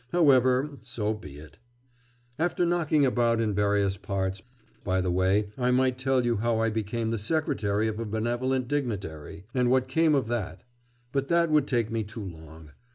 However, so be it. After knocking about in various parts by the way, I might tell you how I became the secretary of a benevolent dignitary, and what came of that; but that would take me too long....